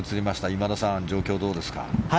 今田さん、状況はどうですか？